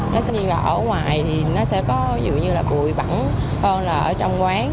nó sẽ như là ở ngoài thì nó sẽ có dù như là bụi bẳng hơn là ở trong quán